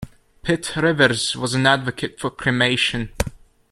Pitt Rivers was an advocate for cremation.